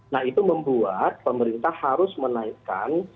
nah itu membuat pemerintah harus menaikkan